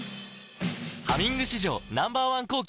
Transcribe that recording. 「ハミング」史上Ｎｏ．１抗菌